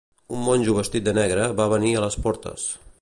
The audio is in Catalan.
Un monjo vestit de negre va venir a les portes.